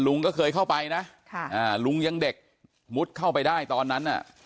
ลุงก็เคยเข้าไปนะลุงยังเด็กมุดเข้าไปได้ตอนนั้นน่ะ